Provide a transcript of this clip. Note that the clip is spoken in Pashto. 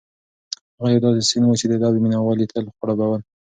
هغه یو داسې سیند و چې د ادب مینه وال یې تل خړوبول.